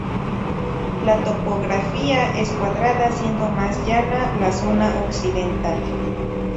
La topografía es cuadrada, siendo más llana la zona occidental.